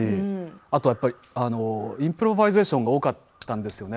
あと、やっぱりインプロバイゼーションが多かったんですよね